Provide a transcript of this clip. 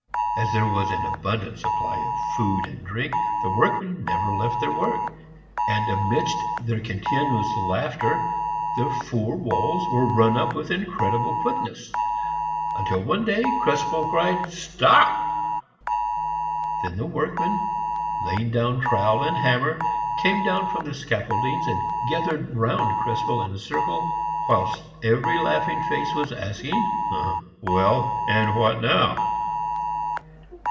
As there was an abundant supply of food and drink, the workmen never left their work; and amidst their continuous laughter the four walls were run up with incredible quickness, until one day Krespel cried, "Stop!" Then the workmen, laying down trowel and hammer, came down from the scaffoldings and gathered round Krespel in a circle, whilst every laughing face was asking, "Well, and what now?"